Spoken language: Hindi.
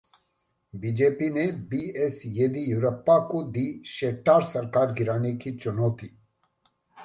बीजेपी ने बीएस येदियुरप्पा को दी शेट्टार सरकार गिराने की चुनौती